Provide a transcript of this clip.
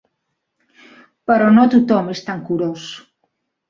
Però no tothom és tan curós.